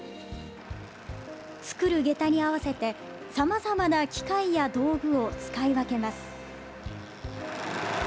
作るげたに合わせてさまざまな機械や道具を使い分けます。